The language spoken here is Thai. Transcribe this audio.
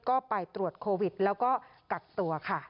ก็ไปตรวจโควิดแล้วก็กักตัวค่ะ